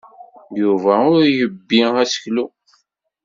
Yuba ur yebbi aseklu.